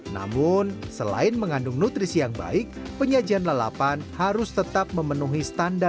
namun selain mengandung nutrisi yang baik penyajian lalapan harus tetap memenuhi standar